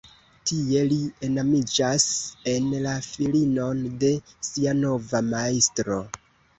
Tie li enamiĝas en la filinon de sia nova majstro.